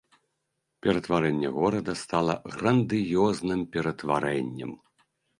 Ператварэнне горада стала грандыёзным ператварэннем.